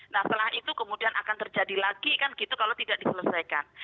nah setelah itu kemudian akan terjadi lagi kan gitu kalau tidak diselesaikan